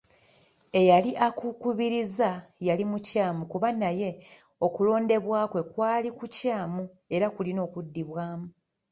Eyali akukubiriza yali mukyamu kuba naye okulondebwa kwe kwali kukyamu era kulina okuddibwamu.